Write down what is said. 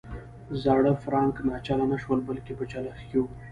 زاړه فرانک ناچله نه شول بلکې په چلښت کې وو.